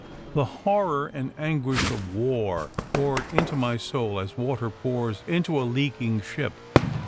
The horror and an guish of war poured into my soul as water pours into a leaking ship.